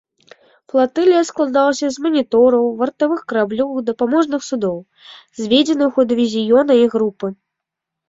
Флатылія складалася з манітораў, вартавых караблёў і дапаможных судоў, зведзеных у дывізіёны і групы.